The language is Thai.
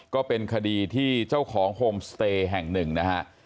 ก็เป็นคดีที่เจ้าของโฮมสเตย์แห่งหนึ่งนะฮะ